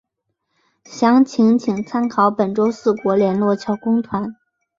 详细请参考本州四国联络桥公团。